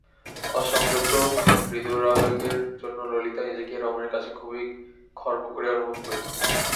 অসংযত হৃদয়াবেগের জন্য ললিতা নিজেকে এই রমণীর কাছে খুবই খর্ব করিয়া অনুভব করিল।